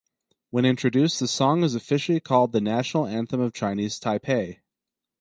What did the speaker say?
When introduced, the song is officially called the National Anthem of Chinese Taipei.